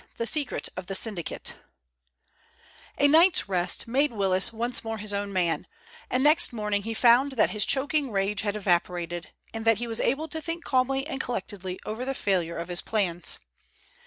THE SECRET OF THE SYNDICATE A night's rest made Willis once more his own man, and next morning he found that his choking rage had evaporated, and that he was able to think calmly and collectedly over the failure of his plans.